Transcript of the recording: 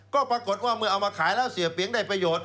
ก็ปรากฏว่าเมื่อเอามาขายแล้วเสียเปี๊ยงได้ประโยชน์